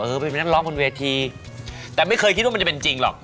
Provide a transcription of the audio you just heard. เออเป็นนักร้องบนเวที